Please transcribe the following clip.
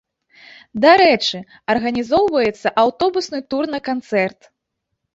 Дарэчы, арганізоўваецца аўтобусны тур на канцэрт!